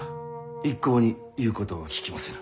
一向に言うことを聞きませぬ。